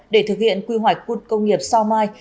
để thực hiện quy hoạch cút công nghiệp sau mai